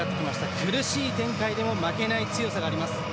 苦しい展開でも負けない強さがあります。